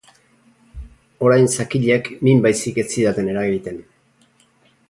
Orain zakilek min baizik ez zidaten eragiten.